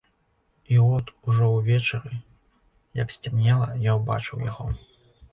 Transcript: І от, ужо ўвечары, як сцямнела, я ўбачыў яго.